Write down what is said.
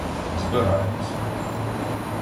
Збираємося.